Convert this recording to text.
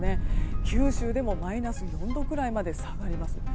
九州でもマイナス４度ぐらいまで下がります。